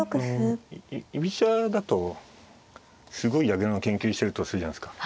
居飛車だとすごい矢倉の研究してるとするじゃないですか。